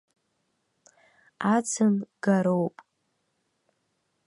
Аӡын гароуп.